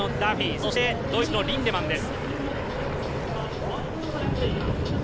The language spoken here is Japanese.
そして、ドイツのリンデマンです。